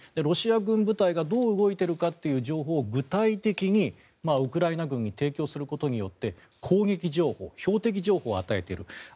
ロシア軍部隊がどう動いているかという情報を具体的にウクライナ軍に提供することによって攻撃情報、標的情報を与えている。